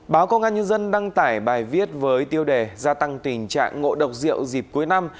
báo công an nhân dân đăng tải bài viết với tiêu đề gia tăng tình trạng ngộ độc rượu dịp cuối năm